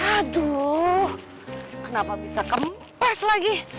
aduh kenapa bisa kempes lagi